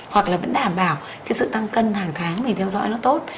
hoặc là vẫn đảm bảo cái sự tăng cân hàng tháng mình theo dõi nó tốt